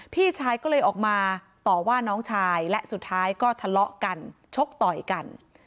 พี่ชายก็เลยออกมาต่อว่าน้องชายและสุดท้ายก็ทะเลาะกันชกต่อยกัน